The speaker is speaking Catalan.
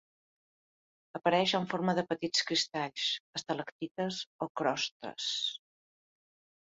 Apareix en forma de petits cristalls, estalactites o crostes.